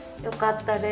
よかった。